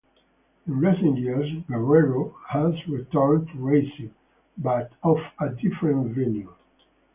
In recent years Guerrero has returned to racing, but of a different venue.